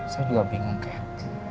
saya juga bingung kat